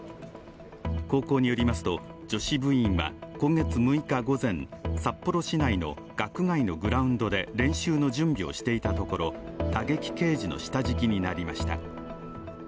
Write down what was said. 高校によりますと、女子部員は今月６日午前、札幌市内の学外のグラウンドで練習の準備をしていたところ打撃ケージの下敷きになりました。